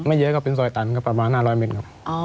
เยอะก็เป็นซอยตันครับประมาณ๕๐๐เมตรครับ